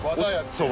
そう。